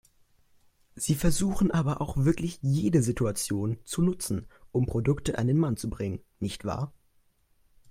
Sie versuchen aber auch wirklich jede Situation zu nutzen, um Produkte an den Mann zu bringen, nicht wahr?